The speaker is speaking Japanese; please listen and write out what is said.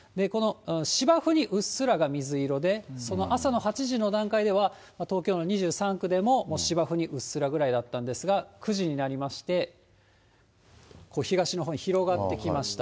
芝生にうっすらが水色で、その朝の８時の段階では、東京の２３区でも芝生にうっすらぐらいだったんですが、９時になりまして、東のほうに広がってきました。